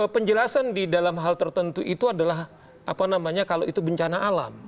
penjelasan di dalam hal tertentu itu adalah apa namanya kalau itu bencana alam